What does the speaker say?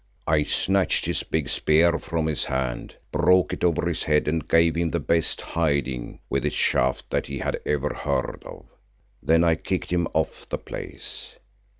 I snatched his big spear from his hand, broke it over his head and gave him the best hiding with its shaft that he had ever heard of. Then I kicked him off the place.